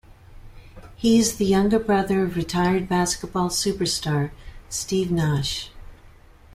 He is the younger brother of retired basketball superstar Steve Nash.